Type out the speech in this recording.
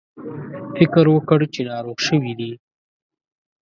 فکر وکړ چې ناروغ شوي دي.